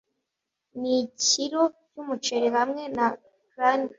Nikiro cyumuceri hamwe na Cranberry Tart